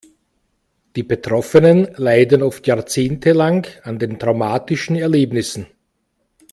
Die Betroffenen leiden oft jahrzehntelang an den traumatischen Erlebnissen.